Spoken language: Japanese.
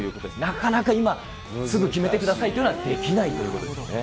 なかなか今、すぐ決めてくださいというのはできないということですね。